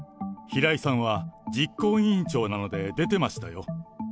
平井さんは実行委員長なので出てましたよ。